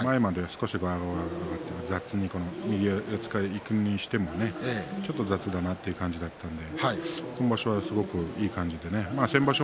前まで少し雑に右四つからいくにしてもねちょっと雑だなという感じだったので今場所はすごくいい感じでね